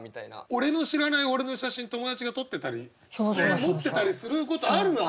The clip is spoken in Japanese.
俺の知らない俺の写真友達が撮ってたり持ってたりすることあるわ。